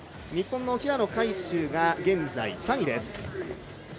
日本の平野海祝が現在３位です。